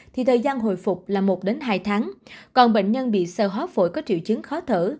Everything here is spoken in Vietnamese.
thì thời gian hồi phục là một hai tháng còn bệnh nhân bị sơ hóc phổi có triệu chứng khó thở